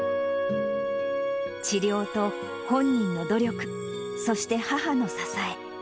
治療と、本人の努力、そして母の支え。